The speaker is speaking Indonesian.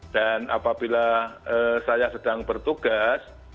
apabila saya sedang bertugas